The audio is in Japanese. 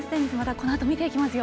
このあと、見ていきますよ。